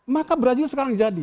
maka brazil sekarang jadi